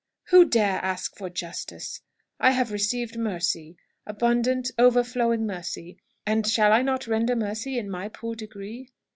"Who dare ask for justice? I have received mercy abundant, overflowing mercy and shall I not render mercy in my poor degree?